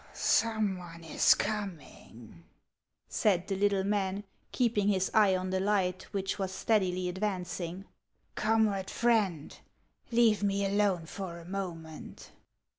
" Some one is coining," said the little man, keeping his eye on the light, which was steadily advancing. " Com rade Friend, leave me alone for a moment.